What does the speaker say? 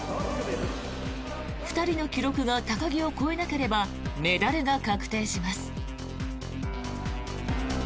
２人の記録が高木を超えなければメダルが確定します。